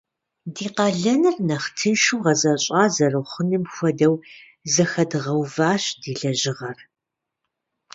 Ди къалэныр нэхъ тыншу гъэзэщӏа зэрыхъуным хуэдэу зэхэдгъэуващ ди лэжьыгъэр.